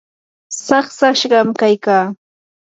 saqsashqam kaykaa.